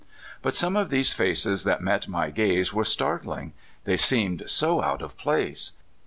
But some of these faces that met my gaze were startling — they seemed so out of place.